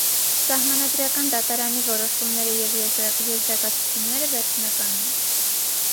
Սահմանադրական դատարանի որոշումները և եզրակացությունները վերջնական են։